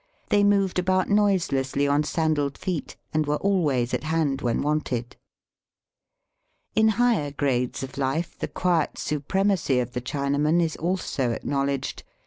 They moved about noiselessly on sandalled feet, and were always at hand when wanted. In higher grades of life the quiet supre macy of the Chinaman is also acknowledged.